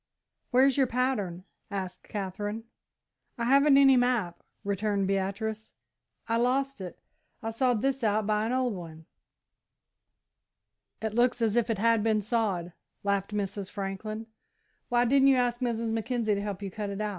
"Where's your pattern," asked Katherine. "I haven't any map," returned Beatrice; "I lost it. I sawed this out by an old one." "It looks as if it had been sawed," laughed Mrs. Franklin. "Why didn't you ask Mrs. Mackenzie to help you cut it?"